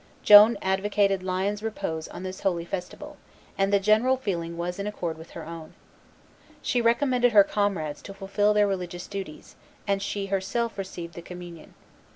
Joan advocated lions repose on this holy festival, and the general feeling was in accord with her own. She recommended her comrades to fulfil their religious duties, and she herself received the communion.